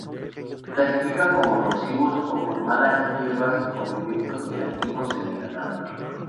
Se clasifican como nocivos o como malas hierbas con efectos negativos en el ganado.